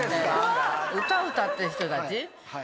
歌歌ってる人たち。